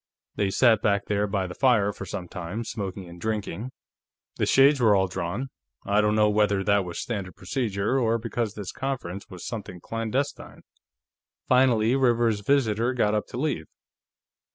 They sat back there by the fire for some time, smoking and drinking. The shades were all drawn. I don't know whether that was standard procedure, or because this conference was something clandestine. Finally, Rivers's visitor got up to leave.